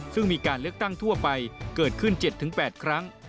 ซึ่งมีการเลือกตั้งทั่วไปเกิดขึ้น๗๘ครั้ง